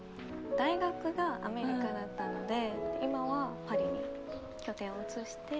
大学がアメリカだったので今はパリに拠点を移して。